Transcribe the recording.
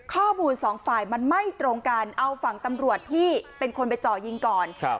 สองฝ่ายมันไม่ตรงกันเอาฝั่งตำรวจที่เป็นคนไปจ่อยิงก่อนครับ